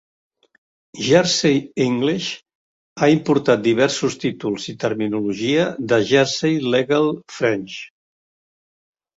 Jersey English ha importat diversos títols i terminologia de Jersey Legal French.